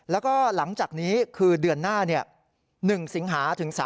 แล้วก็หลังจากนี้คือเดือนหน้า